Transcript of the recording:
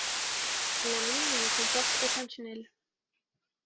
La ligne ne comporte aucun tunnel.